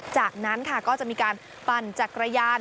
จากนั้นจะมีการปั่นจากกระยาน